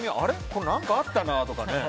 これ何かあったなとか。